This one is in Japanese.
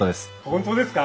本当ですか！